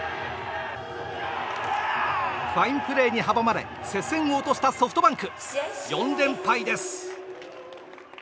ファインプレーに阻まれ接戦を落としたソフトバンク。４連敗です。